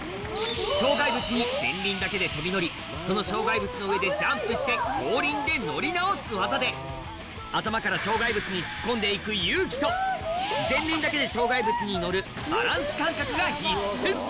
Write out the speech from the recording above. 障害物に前輪だけで跳び乗りその障害物の上でジャンプして後輪で乗り直す技で頭から障害物に突っ込んでいく勇気と前輪だけで障害物に乗るバランス感覚が必須